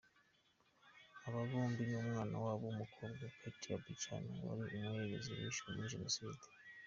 Aba bombi n’umwana wabo w’umukobwa "Katia Bucyana" wari umuhererezi bishwe muri Jenoside.